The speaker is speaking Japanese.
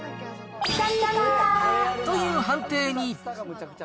という判定に。